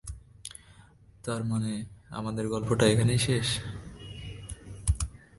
তার মানে, আমাদের গল্পটা এখানেই শেষ।